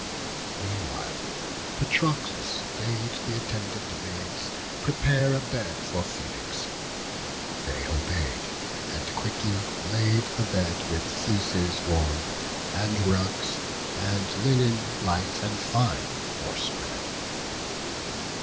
Meanwhile Patroclus bade th' attendant maids Prepare a bed for Phoenix; they obey'd, And quickly laid the bed with fleeces warm, And rugs, and linen light and fine o'erspread.